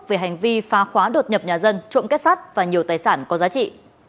về hành vi phá khóa đột nhập nhà dân trộm kết sắt và nhiều tài sản có giá trị